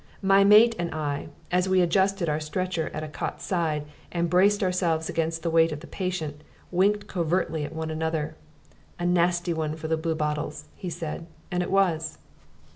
My mate and I, as we adjusted our stretcher at a cot's side, and braced ourselves against the weight of the patient, winked covertly at one another. "A nasty one for the Bluebottles!" he said. And it was.